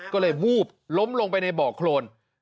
ก็เลยวูบล้มลงไปในบ่อโครน